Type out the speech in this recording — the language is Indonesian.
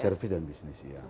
service dan business ya